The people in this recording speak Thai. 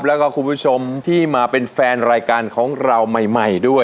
และคุณผู้ชมที่มาเป็นแฟนรายการของเราใหม่